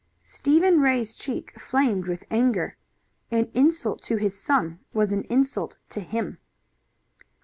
Stephen Ray's cheek flamed with anger. An insult to his son was an insult to him.